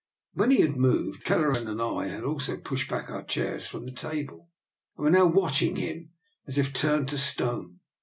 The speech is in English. When he had moved, Kelleran and I had also pushed back our chairs from the table, and were now watching him as if turned to stone.